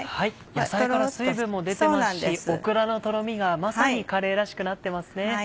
野菜から水分も出てますしオクラのとろみがまさにカレーらしくなってますね。